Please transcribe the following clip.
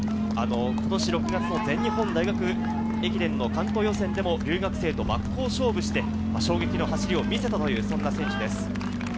ことし６月の全日本大学駅伝の関東予選でも、留学生と真っ向勝負して衝撃の走りを見せたという、そんな選手です。